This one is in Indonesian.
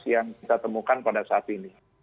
yang kita temukan pada saat ini